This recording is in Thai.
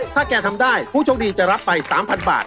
ถ้าแกทำได้ผู้โชคดีจะรับไป๓๐๐บาท